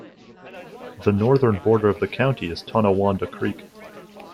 The northern border of the county is Tonawanda Creek.